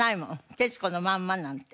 『徹子のまんま』なんて。